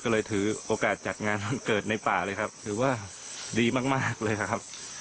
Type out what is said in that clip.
ก็เลยถือโอกาสจัดงานวันเกิดในป่าเลยครับถือว่าดีมากมากเลยครับ